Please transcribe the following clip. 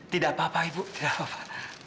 tidak apa apa ibu tidak apa apa